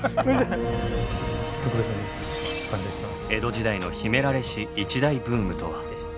江戸時代の秘められし一大ブームとは？